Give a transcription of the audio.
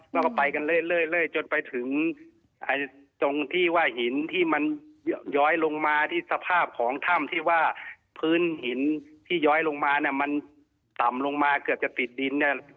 แล้วก็ไปกันเรื่อยจนไปถึงตรงที่ว่าหินที่มันย้อยลงมาที่สภาพของถ้ำที่ว่าพื้นหินที่ย้อยลงมามันต่ำลงมาเกือบจะติดดิน